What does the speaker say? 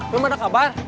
belum ada kabar